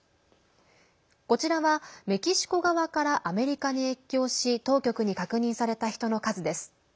こちらは、メキシコ側からアメリカに越境し当局に確認された人の数です。